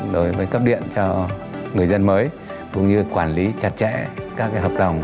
đối với cấp điện cho người dân mới cũng như quản lý chặt chẽ các hợp đồng